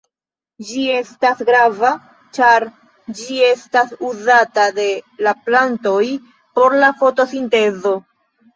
Ĝi estas grava ĉar ĝi estas uzata de la plantoj por la fotosintezo.